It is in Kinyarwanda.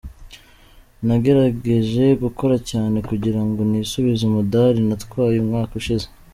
Nagerageje gukora cyane kugira ngo nisubize umudali natwaye umwaka ushize.